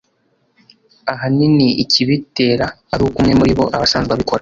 ahanini ikibitera ari uko umwe muribo aba asanzwe abikora